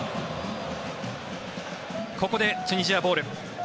ここでチュニジアボール。